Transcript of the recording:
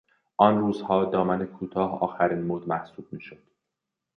آن روزها دامن کوتاه آخرین مد محسوب میشد.